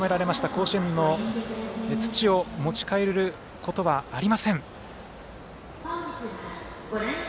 甲子園の土を持ち帰ることはありません。